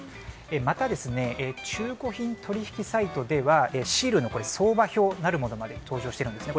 また、中古品取引サイトではシールの相場表なるものまで登場しているんですね。